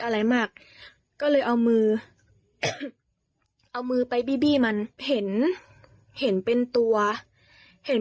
อะไรมากก็เลยเอามือเอามือไปบีบี้มันเห็นเห็นเป็นตัวเห็น